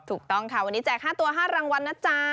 ถูกต้องค่ะวันนี้แจก๕ตัว๕รางวัลนะจ๊ะ